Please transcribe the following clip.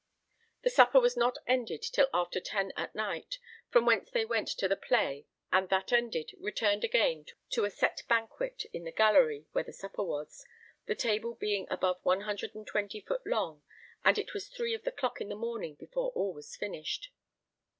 The supper was not ended till after ten at night, from whence they went to the Play, and, that ended, returned again to a set banquet in the gallery where the supper was, the table being above 120 foot long, and it was 3 of the clock in the morning before all was finished.